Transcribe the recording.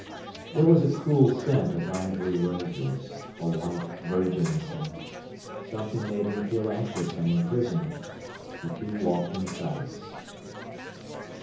There was a cool scent of ivory roses—a white, virgin scent. Something made him feel anxious and imprisoned. The two walked in silence.